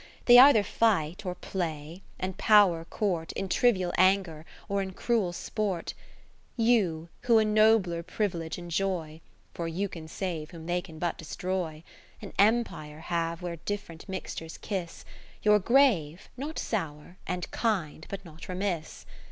They either fight, or play ; and power court, In trivial anger, or in cruel sport, no You, who a nobler privilege enjoy, (For you can save whom they can but destroy) An Empire have where different mixtures kiss ; You're grave, not sour^ and kind, but not remiss.